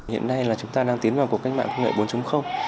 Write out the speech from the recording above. hiện nay là chúng ta đang tiến vào cuộc cách mạng công nghệ bốn